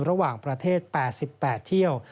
ระหว่างประเทศ๘๘เที่ยว